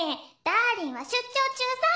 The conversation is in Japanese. ダーリンは出張中さ。